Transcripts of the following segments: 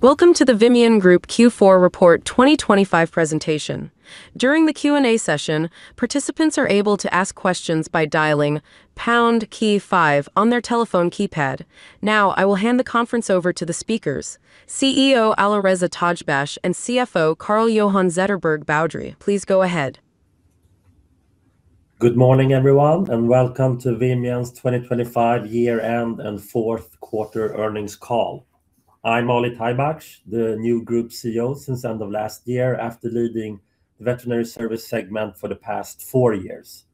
Welcome to the Vimian Group Q4 2025 Report presentation. During the Q&A session, participants are able to ask questions by dialing pound key five on their telephone keypad. Now, I will hand the conference over to the speakers, CEO Alireza Tajbakhsh, and CFO Carl-Johan Zetterberg Boudrie. Please go ahead. Good morning, everyone, and welcome to Vimian's 2025 year-end and fourth quarter earnings call. I'm Ali Tajbakhsh, the new Group CEO since end of last year, after leading the veterinary service segment for the past four years.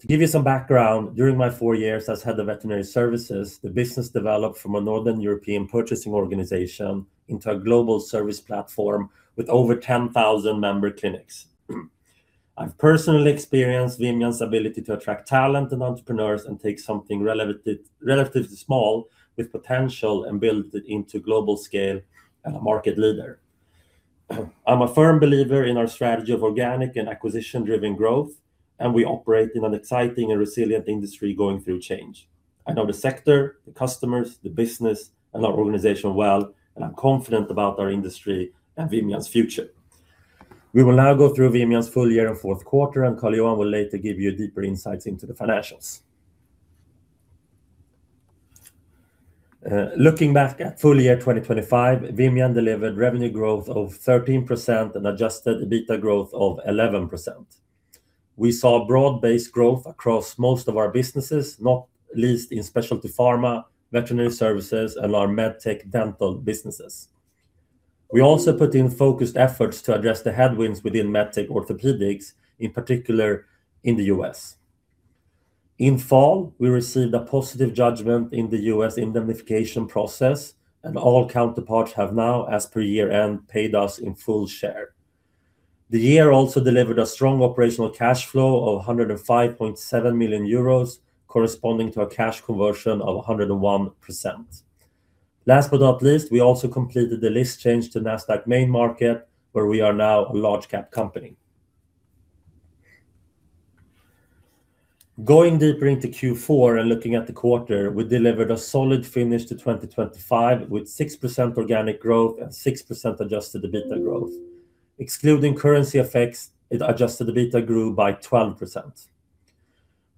To give you some background, during my four years as head of veterinary services, the business developed from a Northern European purchasing organization into a global service platform with over 10,000 member clinics. I've personally experienced Vimian's ability to attract talent and entrepreneurs and take something relatively, relatively small with potential and build it into global scale and a market leader. I'm a firm believer in our strategy of organic and acquisition-driven growth, and we operate in an exciting and resilient industry going through change. I know the sector, the customers, the business, and our organization well, and I'm confident about our industry and Vimian's future. We will now go through Vimian's full year and fourth quarter, and Carl-Johan will later give you deeper insights into the financials. Looking back at full year 2025, Vimian delivered revenue growth of 13% and adjusted EBITDA growth of 11%. We saw broad-based growth across most of our businesses, not least in Specialty Pharma, Veterinary Services, and our MedTech Dental businesses. We also put in focused efforts to address the headwinds within MedTech Orthopedics, in particular in the U.S. In fall, we received a positive judgment in the U.S. indemnification process, and all counterparts have now, as per year-end, paid us in full. The year also delivered a strong operational cash flow of 105.7 million euros, corresponding to a cash conversion of 101%. Last but not least, we also completed the list change to Nasdaq Main Market, where we are now a large cap company. Going deeper into Q4 and looking at the quarter, we delivered a solid finish to 2025, with 6% organic growth and 6% adjusted EBITDA growth. Excluding currency effects, its adjusted EBITDA grew by 12%.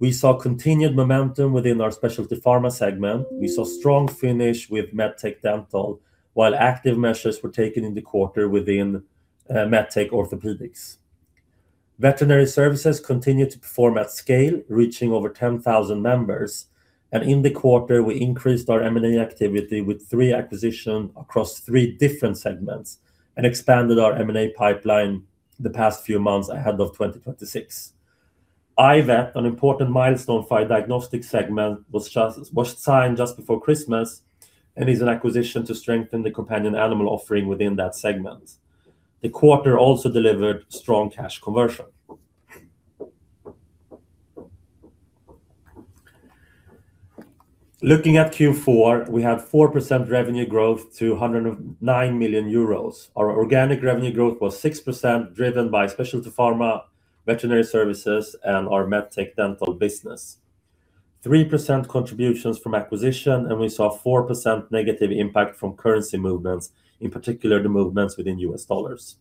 We saw continued momentum within our specialty pharma segment. We saw strong finish with MedTech Dental, while active measures were taken in the quarter within MedTech Orthopedics. Veterinary services continued to perform at scale, reaching over 10,000 members, and in the quarter, we increased our M&A activity with three acquisitions across three different segments and expanded our M&A pipeline the past few months ahead of 2026. Ivet, an important milestone for our diagnostic segment, was just signed just before Christmas and is an acquisition to strengthen the companion animal offering within that segment. The quarter also delivered strong cash conversion. Looking at Q4, we had 4% revenue growth to 109 million euros. Our organic revenue growth was 6%, driven by Specialty Pharma, Veterinary Services, and our MedTech Dental business. 3% contributions from acquisition, and we saw 4% negative impact from currency movements, in particular, the movements within US dollars.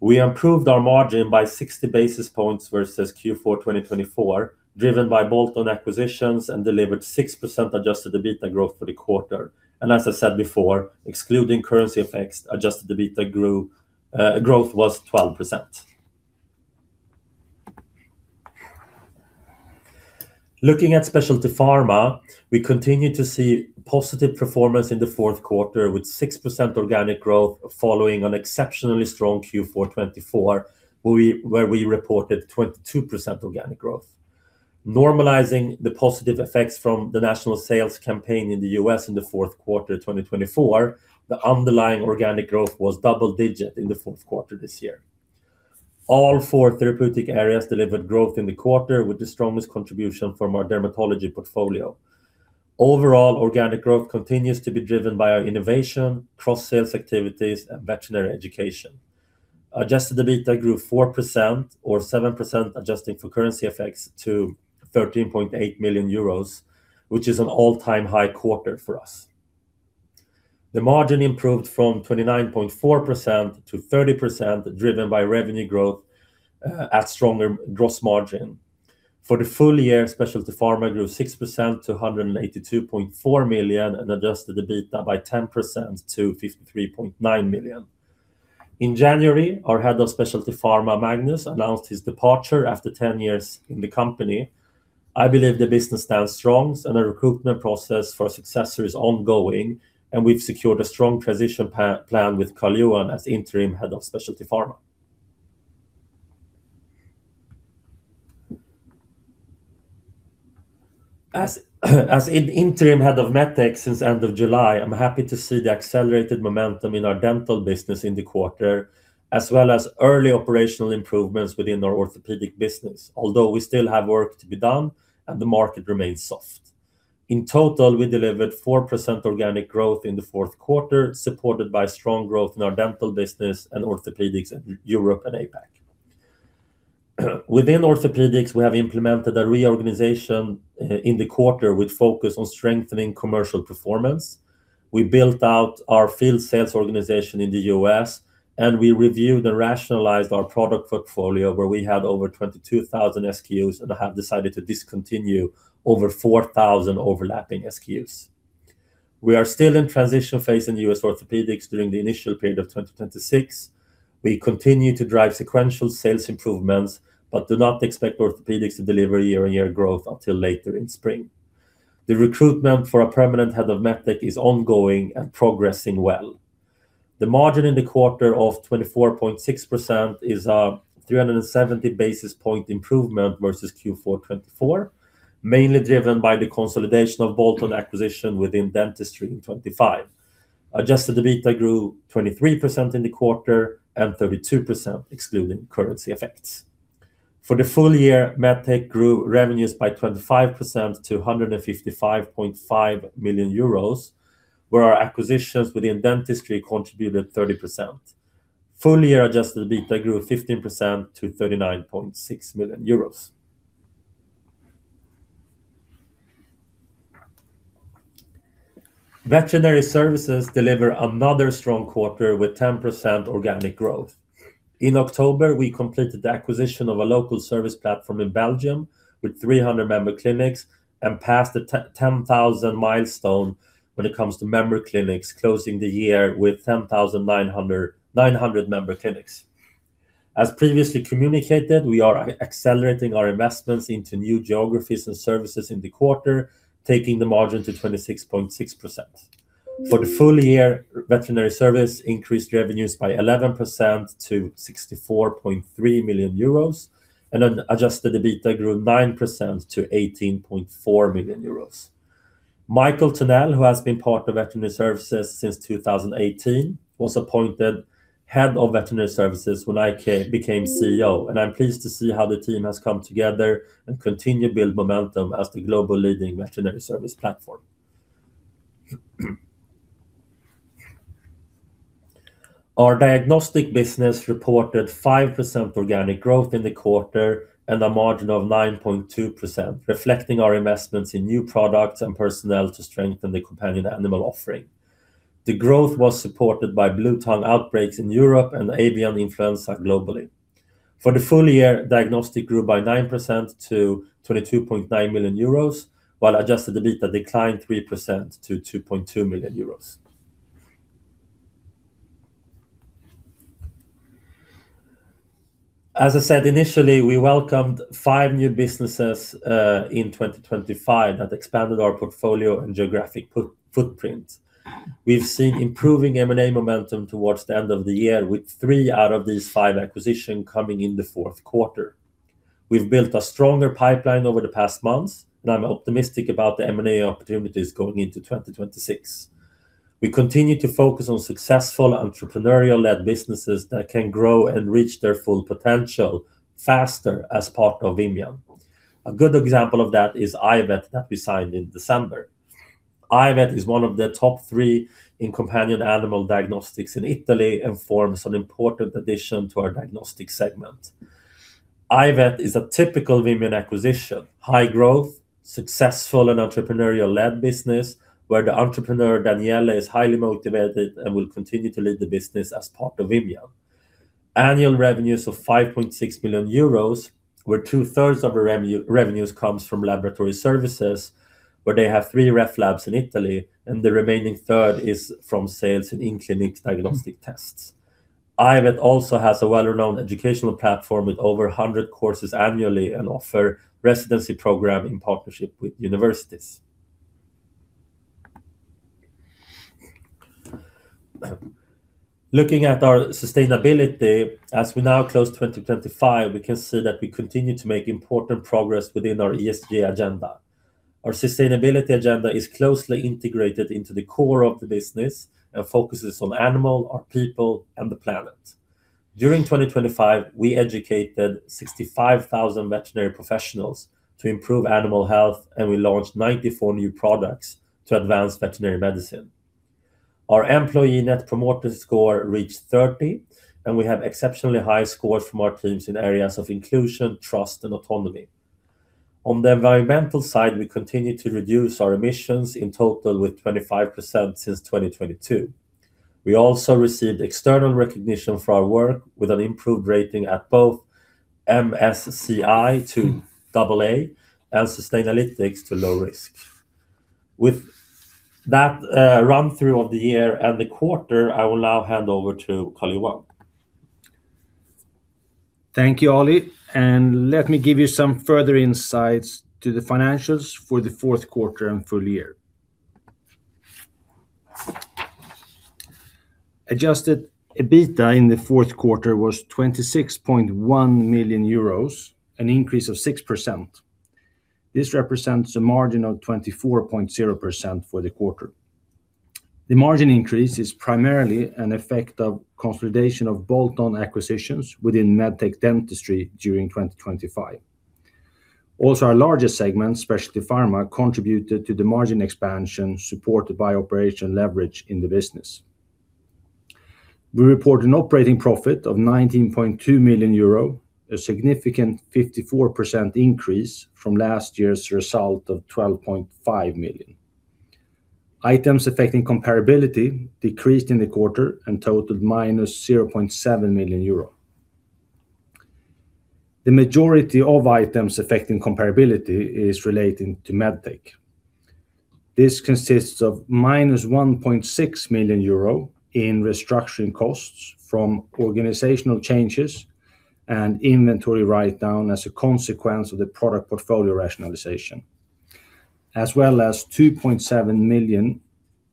We improved our margin by 60 basis points versus Q4 2024, driven by bolt-on acquisitions and delivered 6% adjusted EBITDA growth for the quarter. As I said before, excluding currency effects, adjusted EBITDA grew, growth was 12%. Looking at Specialty Pharma, we continue to see positive performance in the fourth quarter, with 6% organic growth following an exceptionally strong Q4 2024, where we reported 22% organic growth. Normalizing the positive effects from the national sales campaign in the U.S. in the fourth quarter 2024, the underlying organic growth was double-digit in the fourth quarter this year. All four therapeutic areas delivered growth in the quarter, with the strongest contribution from our dermatology portfolio. Overall, organic growth continues to be driven by our innovation, cross-sales activities, and veterinary education. Adjusted EBITDA grew 4% or 7%, adjusting for currency effects to 13.8 million euros, which is an all-time high quarter for us. The margin improved from 29.4% to 30%, driven by revenue growth, at stronger gross margin. For the full year, Specialty Pharma grew 6% to 182.4 million and adjusted EBITDA by 10% to 53.9 million. In January, our Head of Specialty Pharma, Magnus, announced his departure after 10 years in the company. I believe the business stands strong and the recruitment process for a successor is ongoing, and we've secured a strong transition plan with Carl-Johan as interim head of Specialty Pharma. As interim head of MedTech since end of July, I'm happy to see the accelerated momentum in our dental business in the quarter, as well as early operational improvements within our orthopedic business, although we still have work to be done and the market remains soft. In total, we delivered 4% organic growth in the fourth quarter, supported by strong growth in our dental business and orthopedics in Europe and APAC. Within Orthopedics, we have implemented a reorganization in the quarter, which focus on strengthening commercial performance. We built out our field sales organization in the U.S., and we reviewed and rationalized our product portfolio, where we had over 22,000 SKUs and have decided to discontinue over 4,000 overlapping SKUs. We are still in transition phase in U.S. Orthopedics during the initial period of 2026. We continue to drive sequential sales improvements, but do not expect Orthopedics to deliver year-on-year growth until later in spring. The recruitment for a permanent head of MedTech is ongoing and progressing well. The margin in the quarter of 24.6% is a 370 basis point improvement versus Q4 2024, mainly driven by the consolidation of bolt-on acquisition within Dentistry in 2025. Adjusted EBITDA grew 23% in the quarter and 32%, excluding currency effects. For the full year, MedTech grew revenues by 25% to 155.5 million euros, where our acquisitions within Dentistry contributed 30%. Full-year Adjusted EBITDA grew 15% to 39.6 million euros. Veterinary Services deliver another strong quarter with 10% organic growth. In October, we completed the acquisition of a local service platform in Belgium with 300 member clinics and passed the ten thousand milestone when it comes to member clinics, closing the year with 10,999 member clinics. As previously communicated, we are accelerating our investments into new geographies and services in the quarter, taking the margin to 26.6%. For the full year, Veterinary Services increased revenues by 11% to 64.3 million euros, and then Adjusted EBITDA grew 9% to 18.4 million euros. Mikael Tunell, who has been part of Veterinary Services since 2018, was appointed Head of Veterinary Services when I became CEO, and I'm pleased to see how the team has come together and continue to build momentum as the global leading veterinary service platform. Our diagnostic business reported 5% organic growth in the quarter and a margin of 9.2%, reflecting our investments in new products and personnel to strengthen the companion animal offering. The growth was supported by bluetongue outbreaks in Europe and avian Influenza globally. For the full year, diagnostic grew by 9% to 22.9 million euros, while adjusted EBITDA declined 3% to 2.2 million euros. As I said initially, we welcomed 5 new businesses in 2025 that expanded our portfolio and geographic footprint. We've seen improving M&A momentum towards the end of the year, with three out of these five acquisitions coming in the fourth quarter. We've built a stronger pipeline over the past months, and I'm optimistic about the M&A opportunities going into 2026. We continue to focus on successful, entrepreneurial-led businesses that can grow and reach their full potential faster as part of Vimian. A good example of that is Ivet, that we signed in December. Ivet is one of the top three in companion animal diagnostics in Italy and forms an important addition to our diagnostic segment. Ivet is a typical Vimian acquisition, high growth, successful and entrepreneurial-led business, where the entrepreneur, Daniele, is highly motivated and will continue to lead the business as part of Vimian. Annual revenues of 5.6 million euros, where two-thirds of the revenues comes from laboratory services, where they have 3 ref labs in Italy, and the remaining third is from sales in in-clinic diagnostic tests. Ivet also has a well-renowned educational platform with over 100 courses annually and offer residency program in partnership with universities. Looking at our sustainability, as we now close 2025, we can see that we continue to make important progress within our ESG agenda. Our sustainability agenda is closely integrated into the core of the business and focuses on animal, our people, and the planet. During 2025, we educated 65,000 veterinary professionals to improve animal health, and we launched 94 new products to advance veterinary medicine. Our employee Net Promoter Score reached 30, and we have exceptionally high scores from our teams in areas of inclusion, trust, and autonomy. On the environmental side, we continue to reduce our emissions in total with 25% since 2022. We also received external recognition for our work with an improved rating at both MSCI to AA, and Sustainalytics to low risk. With that, run through of the year and the quarter, I will now hand over to Carl-Johan. Thank you, Oli, and let me give you some further insights to the financials for the fourth quarter and full year. Adjusted EBITDA in the fourth quarter was 26.1 million euros, an increase of 6%. This represents a margin of 24.0% for the quarter. The margin increase is primarily an effect of consolidation of bolt-on acquisitions within MedTech Dentistry during 2025. Also, our largest segment, Specialty Pharma, contributed to the margin expansion, supported by operational leverage in the business. We report an operating profit of 19.2 million euro, a significant 54% increase from last year's result of 12.5 million. Items affecting comparability decreased in the quarter and totaled -0.7 million euro. The majority of items affecting comparability is relating to MedTech. This consists of -1.6 million euro in restructuring costs from organizational changes and inventory write-down as a consequence of the product portfolio rationalization, as well as 2.7 million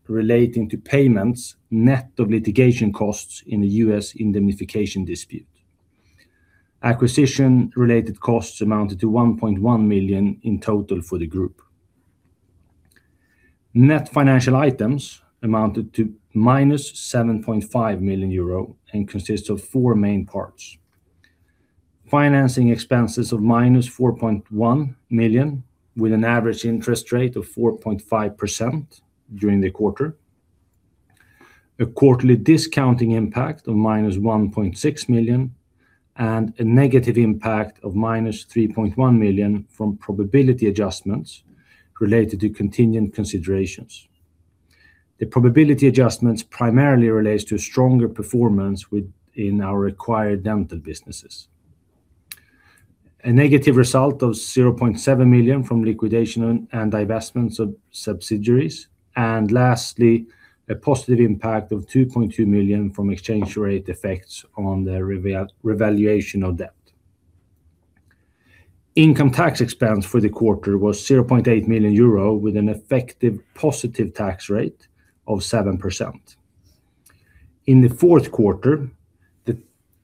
relating to payments, net of litigation costs in the U.S. indemnification dispute. Acquisition-related costs amounted to 1.1 million in total for the group. Net financial items amounted to -7.5 million euro and consists of 4 main parts: financing expenses of -4.1 million, with an average interest rate of 4.5% during the quarter, a quarterly discounting impact of -1.6 million, and a negative impact of -3.1 million from probability adjustments related to contingent considerations. The probability adjustments primarily relates to stronger performance within our acquired dental businesses. A negative result of 0.7 million from liquidation and divestments of subsidiaries, and lastly, a positive impact of 2.2 million from exchange rate effects on the revaluation of debt. Income tax expense for the quarter was 0.8 million euro, with an effective positive tax rate of 7%. In the fourth quarter, the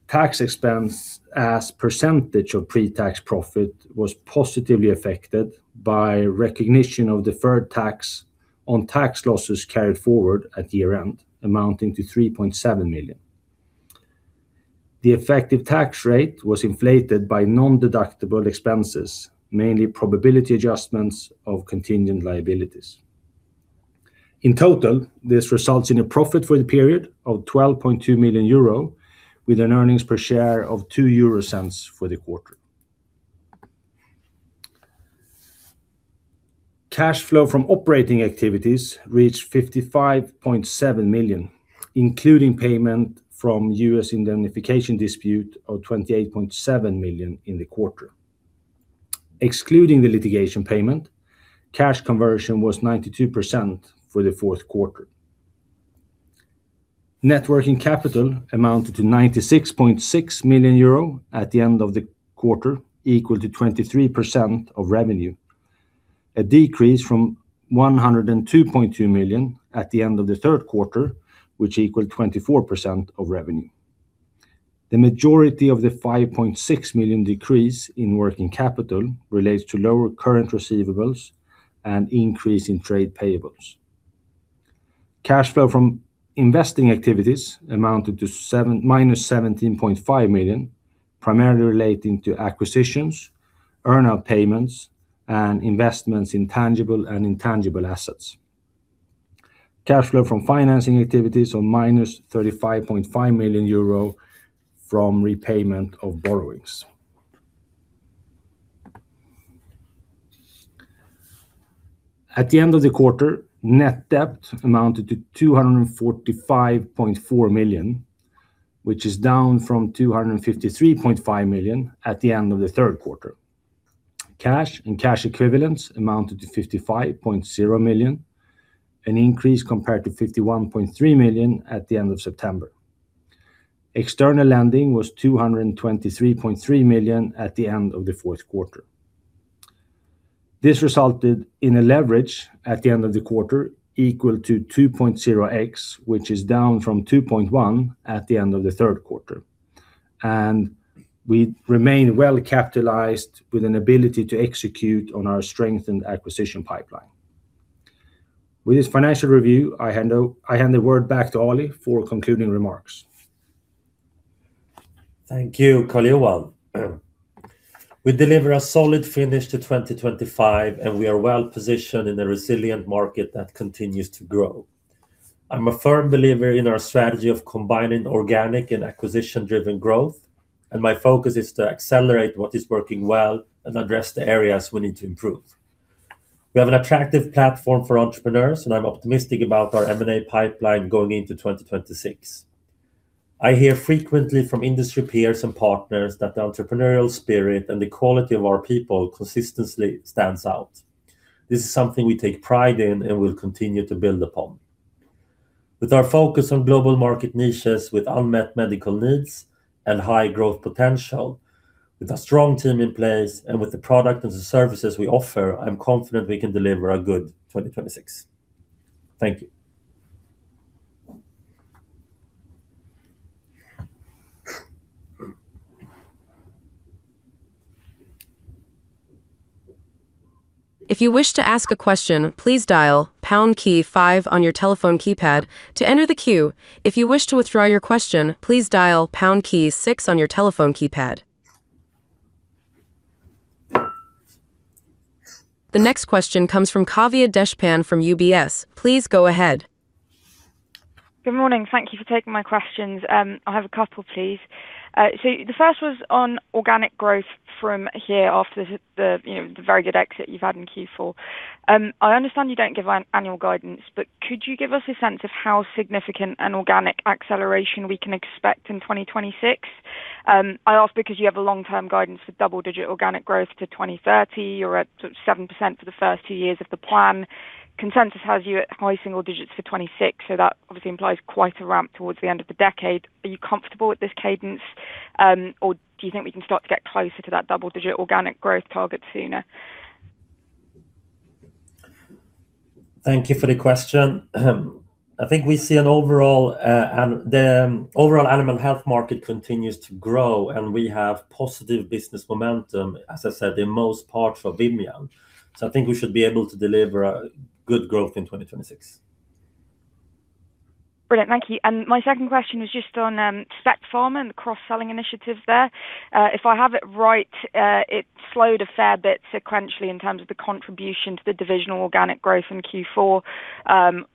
tax expense as percentage of pre-tax profit was positively affected by recognition of deferred tax on tax losses carried forward at year-end, amounting to 3.7 million. The effective tax rate was inflated by non-deductible expenses, mainly probability adjustments of contingent liabilities. In total, this results in a profit for the period of 12.2 million euro, with an earnings per share of 0.02 for the quarter. Cash flow from operating activities reached 55.7 million, including payment from U.S. indemnification dispute of 28.7 million in the quarter. Excluding the litigation payment, cash conversion was 92% for the fourth quarter. Net working capital amounted to 96.6 million euro at the end of the quarter, equal to 23% of revenue, a decrease from 102.2 million at the end of the third quarter, which equaled 24% of revenue. The majority of the 5.6 million decrease in working capital relates to lower current receivables and increase in trade payables. Cash flow from investing activities amounted to minus 17.5 million, primarily relating to acquisitions, earn out payments, and investments in tangible and intangible assets. Cash flow from financing activities of minus 35.5 million euro from repayment of borrowings. At the end of the quarter, net debt amounted to 245.4 million, which is down from 253.5 million at the end of the third quarter. Cash and cash equivalents amounted to 55.0 million, an increase compared to 51.3 million at the end of September. External lending was 223.3 million at the end of the fourth quarter. This resulted in a leverage at the end of the quarter, equal to 2.0x, which is down from 2.1 at the end of the third quarter, and we remain well capitalized with an ability to execute on our strength and acquisition pipeline. With this financial review, I hand the word back to Ali for concluding remarks. Thank you, Carl-Johan. We deliver a solid finish to 2025, and we are well positioned in a resilient market that continues to grow. I'm a firm believer in our strategy of combining organic and acquisition-driven growth, and my focus is to accelerate what is working well and address the areas we need to improve. We have an attractive platform for entrepreneurs, and I'm optimistic about our M&A pipeline going into 2026. I hear frequently from industry peers and partners that the entrepreneurial spirit and the quality of our people consistently stands out. This is something we take pride in and will continue to build upon. With our focus on global market niches with unmet medical needs and high growth potential, with a strong team in place, and with the product and the services we offer, I'm confident we can deliver a good 2026. Thank you. If you wish to ask a question, please dial pound key five on your telephone keypad to enter the queue. If you wish to withdraw your question, please dial pound key six on your telephone keypad. The next question comes from Kavya Deshpande from UBS. Please go ahead. Good morning. Thank you for taking my questions. I have a couple, please. So the first was on organic growth from here after the you know, the very good exit you've had in Q4. I understand you don't give an annual guidance, but could you give us a sense of how significant an organic acceleration we can expect in 2026? I ask because you have a long-term guidance for double-digit organic growth to 2030, you're at sort of 7% for the first two years of the plan. Consensus has you at high single digits for 2026, so that obviously implies quite a ramp towards the end of the decade. Are you comfortable with this cadence, or do you think we can start to get closer to that double-digit organic growth target sooner? Thank you for the question. I think we see an overall, and the overall animal health market continues to grow, and we have positive business momentum, as I said, in most parts for Vimian. So I think we should be able to deliver a good growth in 2026. Brilliant. Thank you. My second question is just on Specialty Pharma and the cross-selling initiatives there. If I have it right, it slowed a fair bit sequentially in terms of the contribution to the divisional organic growth in Q4,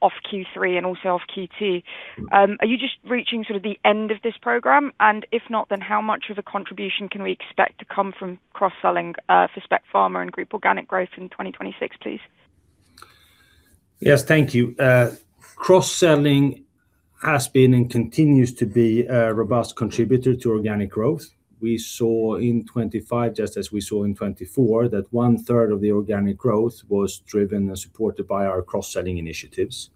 off Q3 and also off Q2. Are you just reaching sort of the end of this program? And if not, then how much of a contribution can we expect to come from cross-selling for Specialty Pharma and group organic growth in 2026, please? Yes, thank you. Cross-selling has been and continues to be a robust contributor to organic growth. We saw in 2025, just as we saw in 2024, that one-third of the organic growth was driven and supported by our cross-selling initiatives.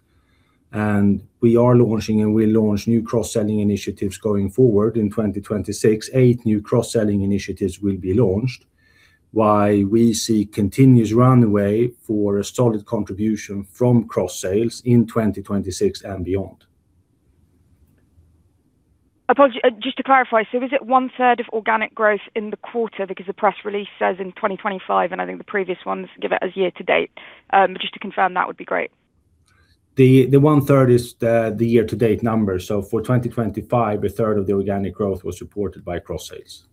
We are launching and we launch new cross-selling initiatives going forward. In 2026, eight new cross-selling initiatives will be launched, while we see continuous runway for a solid contribution from cross-sales in 2026 and beyond. Just to clarify, so is it one third of organic growth in the quarter? Because the press release says in 2025, and I think the previous ones give it as year to date. But just to confirm, that would be great. The one-third is the year-to-date number. So for 2025, a third of the organic growth was supported by cross-sales.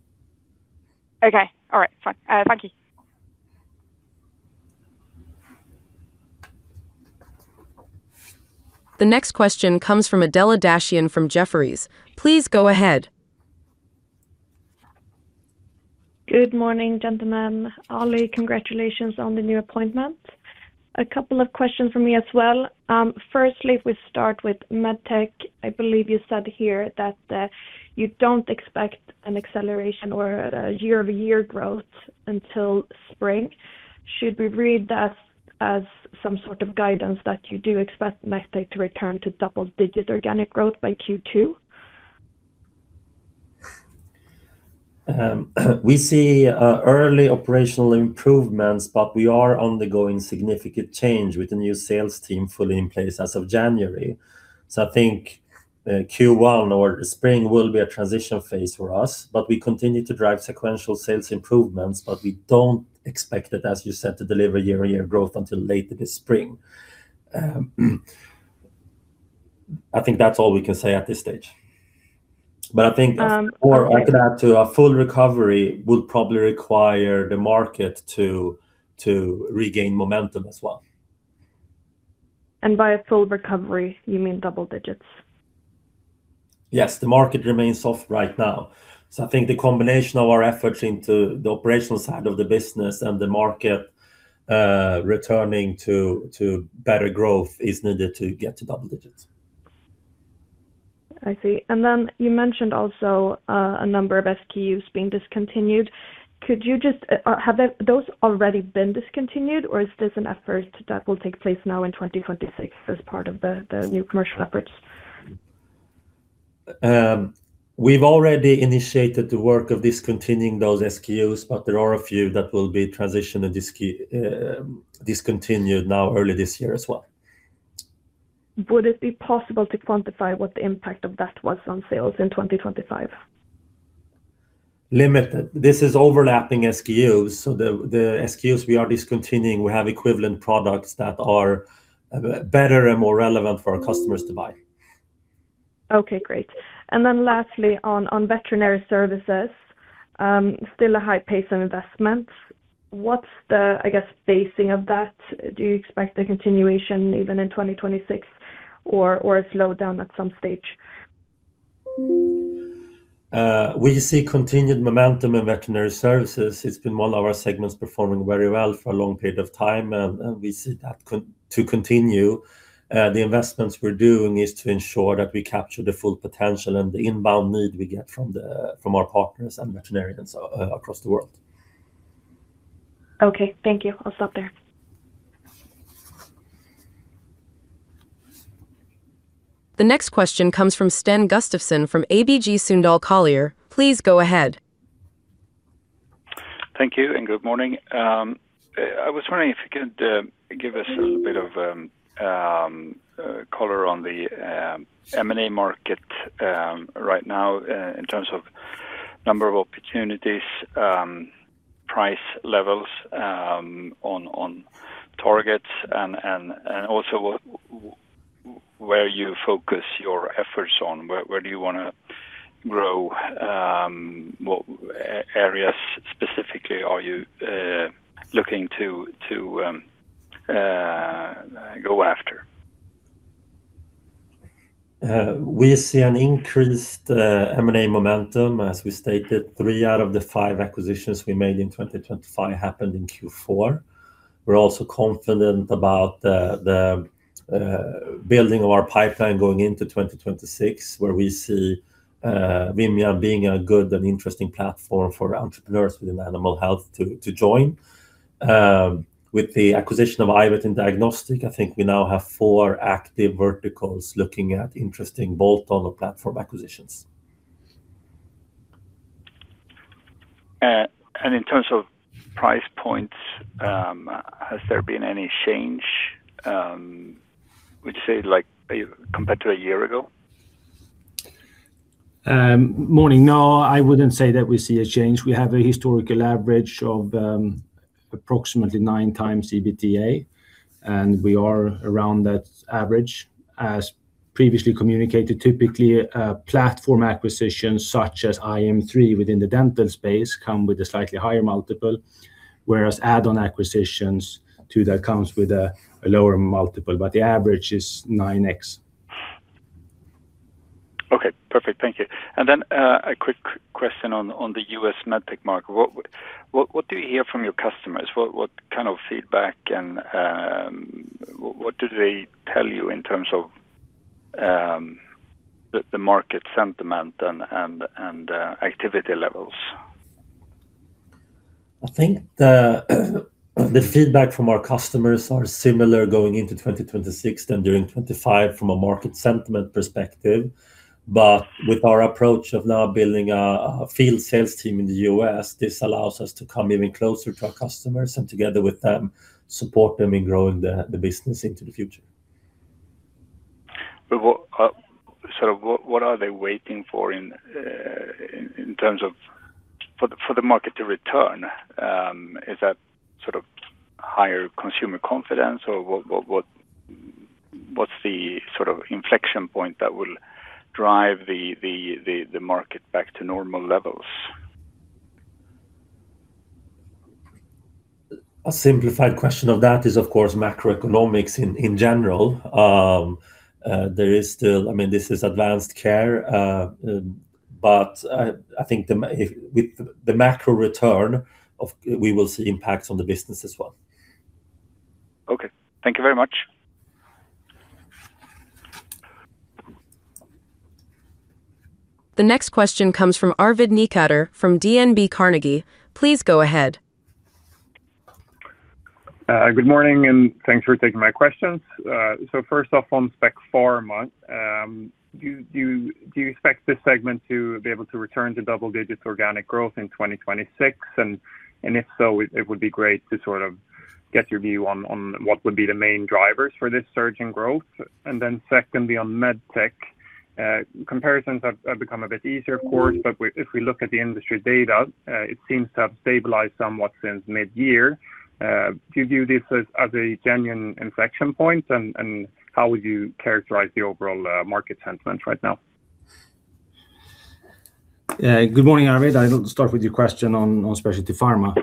Okay. All right, fine. Thank you. The next question comes from Adela Dashian from Jefferies. Please go ahead. Good morning, gentlemen. Ali, congratulations on the new appointment. A couple of questions from me as well. Firstly, if we start with MedTech, I believe you said here that you don't expect an acceleration or a year-over-year growth until spring. Should we read that as some sort of guidance that you do expect MedTech to return to double-digit organic growth by Q2? We see early operational improvements, but we are undergoing significant change with the new sales team fully in place as of January. So I think Q1 or spring will be a transition phase for us, but we continue to drive sequential sales improvements, but we don't expect it, as you said, to deliver year-over-year growth until later this spring. I think that's all we can say at this stage. But I think- Um, okay. Or I could add to a full recovery will probably require the market to regain momentum as well. By a full recovery, you mean double digits? Yes. The market remains soft right now, so I think the combination of our efforts into the operational side of the business and the market returning to better growth is needed to get to double digits. I see. And then you mentioned also, a number of SKUs being discontinued. Could you just have those already been discontinued, or is this an effort that will take place now in 2026 as part of the, the new commercial efforts? We've already initiated the work of discontinuing those SKUs, but there are a few that will be transitioned and discontinued now, early this year as well. Would it be possible to quantify what the impact of that was on sales in 2025? Limited. This is overlapping SKUs, so the SKUs we are discontinuing, we have equivalent products that are better and more relevant for our customers to buy. Okay, great. And then lastly, on veterinary services, still a high pace of investment. What's the, I guess, pacing of that? Do you expect a continuation even in 2026 or a slowdown at some stage? We see continued momentum in veterinary services. It's been one of our segments performing very well for a long period of time, and we see that continue. The investments we're doing is to ensure that we capture the full potential and the inbound need we get from our partners and veterinarians across the world. Okay. Thank you. I'll stop there. The next question comes from Sten Gustafsson, from ABG Sundal Collier. Please go ahead. Thank you, and good morning. I was wondering if you could give us a little bit of color on the M&A market right now in terms of number of opportunities, price levels on targets, and also where you focus your efforts on, where do you want to grow? What areas specifically are you looking to go after? We see an increased M&A momentum. As we stated, three out of the five acquisitions we made in 2025 happened in Q4. We're also confident about the building of our pipeline going into 2026, where we see Vimian being a good and interesting platform for entrepreneurs within animal health to join. With the acquisition of Ivet, I think we now have four active verticals looking at interesting bolt-on or platform acquisitions. In terms of price points, has there been any change, would you say, like, compared to a year ago? Morning. No, I wouldn't say that we see a change. We have a historical average of approximately 9x EBITDA, and we are around that average. As previously communicated, typically, platform acquisitions, such as iM3 within the dental space, come with a slightly higher multiple, whereas add-on acquisitions to that comes with a lower multiple, but the average is 9x. Okay, perfect. Thank you. And then a quick question on the U.S. MedTech market. What do you hear from your customers? What kind of feedback and what do they tell you in terms of the market sentiment and activity levels? I think the feedback from our customers are similar going into 2026 than during 2025 from a market sentiment perspective. But with our approach of now building a field sales team in the U.S., this allows us to come even closer to our customers, and together with them, support them in growing the business into the future. But what sort of are they waiting for in terms of the market to return? Is that sort of higher consumer confidence, or what's the sort of inflection point that will drive the market back to normal levels? A simplified question of that is, of course, macroeconomics in general. There is still, I mean, this is advanced care, but I think if with the macro return of we will see impacts on the business as well. Okay, thank you very much. The next question comes from Arvid Necander from DNB Carnegie. Please go ahead. Good morning, and thanks for taking my questions. So first off, on Spec Pharma, do you expect this segment to be able to return to double-digit organic growth in 2026? And if so, it would be great to sort of get your view on what would be the main drivers for this surge in growth. And then secondly, on MedTech, comparisons have become a bit easier, of course, but if we look at the industry data, it seems to have stabilized somewhat since mid-year. Do you view this as a genuine inflection point, and how would you characterize the overall market sentiment right now? Good morning, Arvid. I'll start with your question on Specialty Pharma.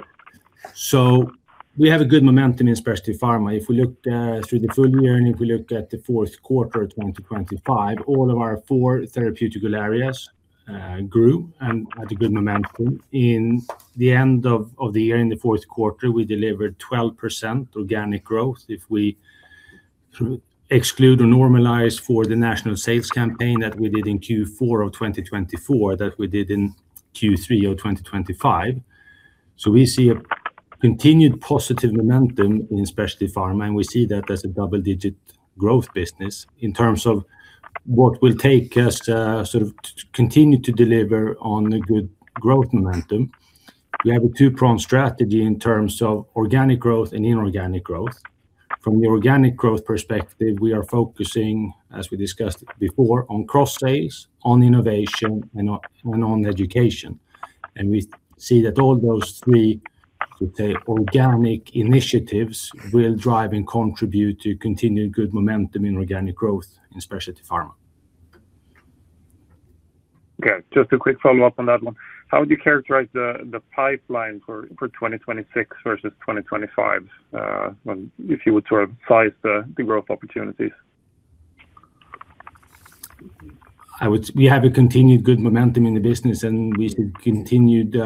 So we have a good momentum in Specialty Pharma. If we look through the full year, and if we look at the fourth quarter 2025, all of our four therapeutic areas grew and had a good momentum. In the end of the year, in the fourth quarter, we delivered 12% organic growth. If we exclude or normalize for the national sales campaign that we did in Q4 of 2024, that we did in Q3 of 2025. So we see a continued positive momentum in Specialty Pharma, and we see that as a double-digit growth business. In terms of what will take us to sort of continue to deliver on a good growth momentum, we have a two-pronged strategy in terms of organic growth and inorganic growth. From the organic growth perspective, we are focusing, as we discussed before, on cross-sales, on innovation, and on education. We see that all those three, the organic initiatives, will drive and contribute to continued good momentum in organic growth in Specialty Pharma. Okay, just a quick follow-up on that one. How would you characterize the pipeline for 2026 versus 2025, when if you were to size the growth opportunities? We have a continued good momentum in the business, and we see continued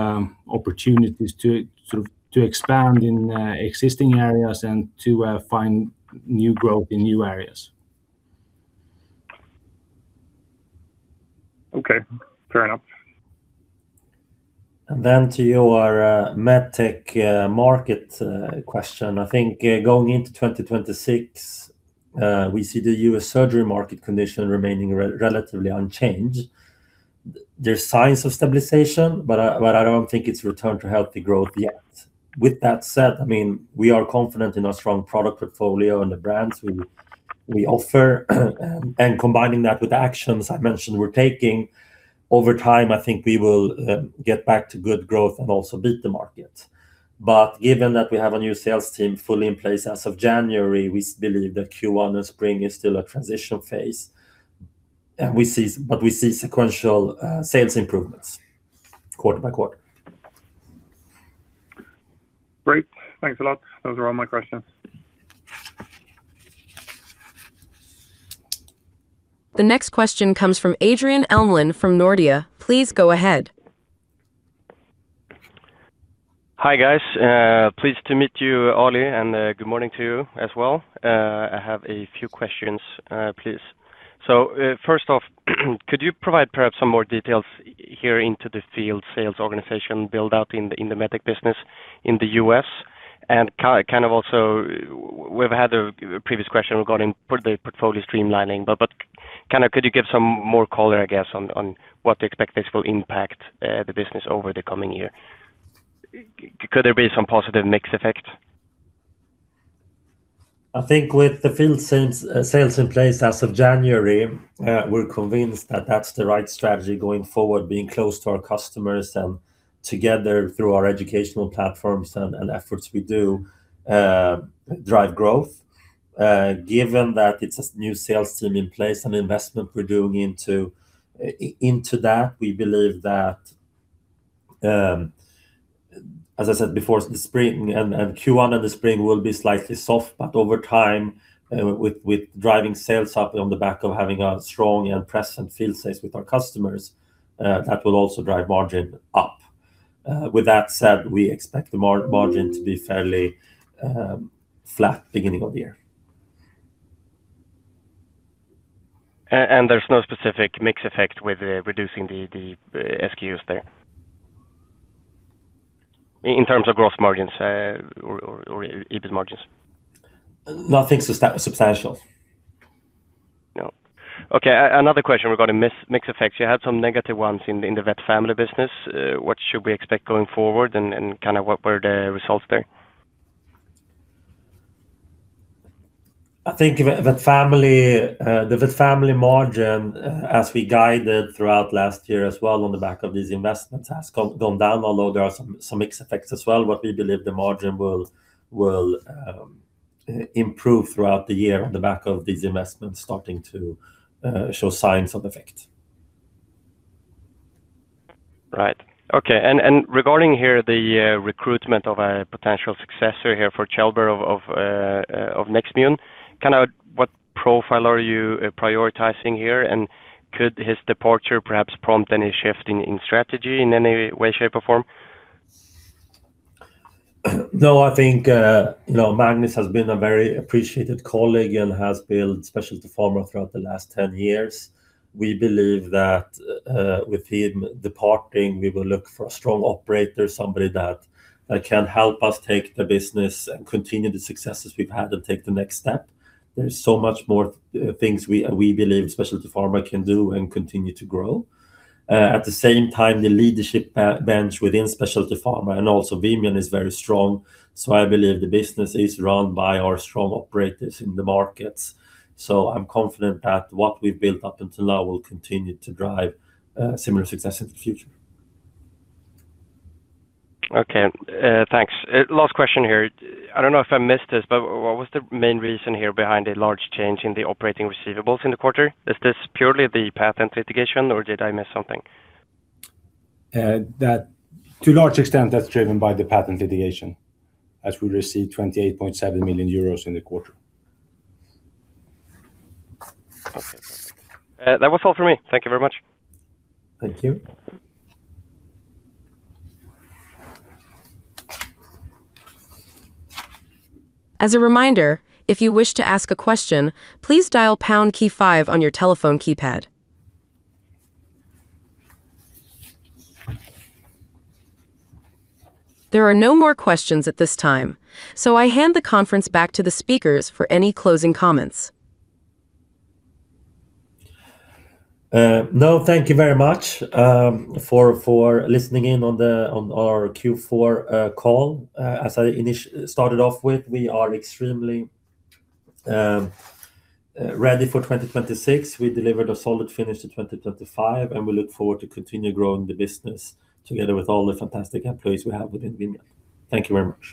opportunities to sort of to expand in existing areas and to find new growth in new areas. Okay, fair enough. Then to your MedTech market question. I think going into 2026, we see the U.S. surgery market condition remaining relatively unchanged. There are signs of stabilization, but I don't think it's returned to healthy growth yet. With that said, I mean, we are confident in our strong product portfolio and the brands we offer. And combining that with actions I mentioned we're taking, over time, I think we will get back to good growth and also beat the market. But given that we have a new sales team fully in place as of January, we believe that Q1 and spring is still a transition phase. Yeah, we see sequential sales improvements quarter by quarter. Great. Thanks a lot. Those are all my questions. The next question comes from Adrian Elmlund, from Nordea. Please go ahead. Hi, guys. Pleased to meet you, Ali, and good morning to you as well. I have a few questions, please. So, first off, could you provide perhaps some more details here into the field sales organization build out in the MedTech business in the U.S.? And kind of also, we've had a previous question regarding put the portfolio streamlining, but kinda could you give some more color, I guess, on what the expectations will impact the business over the coming year? Could there be some positive mix effect? I think with the field sales, sales in place as of January, we're convinced that that's the right strategy going forward, being close to our customers and together through our educational platforms and, and efforts we do, drive growth. Given that it's a new sales team in place and investment we're doing into into that, we believe that, as I said before, the spring and, and Q1 of the spring will be slightly soft, but over time, with, with driving sales up on the back of having a strong and present field sales with our customers, that will also drive margin up. With that said, we expect the margin to be fairly, flat beginning of the year. And there's no specific mix effect with reducing the SKUs there? In terms of gross margins, or EBIT margins. Nothing sub-substantial. No. Okay, another question regarding mix effects. You had some negative ones in the VetFamily business. What should we expect going forward, and kinda what were the results there? I think the VetFamily margin, as we guided throughout last year as well on the back of these investments, has gone down, although there are some mix effects as well. But we believe the margin will improve throughout the year on the back of these investments starting to show signs of effect. Right. Okay, and regarding here, the recruitment of a potential successor here for Kjellberg of Nextmune, kinda what profile are you prioritizing here? And could his departure perhaps prompt any shift in strategy in any way, shape, or form? No, I think, no, Magnus has been a very appreciated colleague and has built Specialty Pharma throughout the last 10 years. We believe that, with him departing, we will look for a strong operator, somebody that can help us take the business and continue the successes we've had and take the next step. There's so much more, things we, we believe Specialty Pharma can do and continue to grow. At the same time, the leadership, bench within Specialty Pharma, and also Vimian, is very strong, so I believe the business is run by our strong operators in the markets. So I'm confident that what we've built up until now will continue to drive, similar success in the future. Okay, thanks. Last question here. I don't know if I missed this, but what was the main reason here behind the large change in the operating receivables in the quarter? Is this purely the patent litigation, or did I miss something? To a large extent, that's driven by the patent litigation, as we received 28.7 million euros in the quarter. Okay. That was all for me. Thank you very much. Thank you. As a reminder, if you wish to ask a question, please dial pound key five on your telephone keypad. There are no more questions at this time, so I hand the conference back to the speakers for any closing comments. No, thank you very much for listening in on our Q4 call. As I started off with, we are extremely ready for 2026. We delivered a solid finish to 2025, and we look forward to continue growing the business together with all the fantastic employees we have within Vimian. Thank you very much.